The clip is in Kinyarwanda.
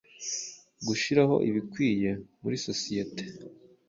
Gushiraho ibikwiye muri sociyete,